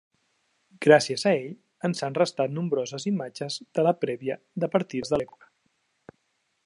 Gràcies a ell ens han restat nombroses imatges de la prèvia de partides de l'època.